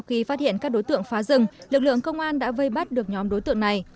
khi phát hiện các đối tượng phá rừng lực lượng công an đã vây bắt được nhóm đối tượng này